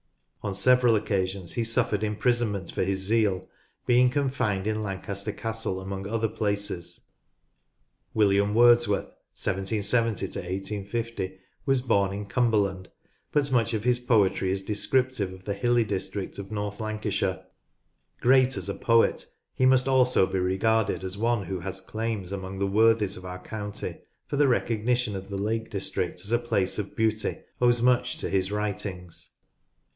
On several occasions he suffered imprisonment for his zeal, being confined in Lancaster Castle among other places. William Wordsworth (1 770 1 850) was born in Cumber land, but much of his poetry is descriptive of the hilly ROLL OF HONOUR 159 district of North Lancashire. Great as a poet, he must also he regarded as one who has claims among the worthies of our county, for the recognition of the Lake District as a place of beauty owes much to his writings.